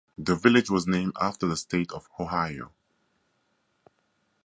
The village was named after the state of Ohio.